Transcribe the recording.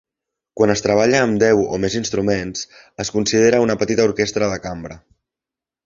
Quan es treballa amb deu o més instruments, es considera una petita orquestra de cambra.